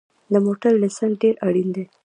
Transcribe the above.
د موټر لېسنس ډېر اړین دی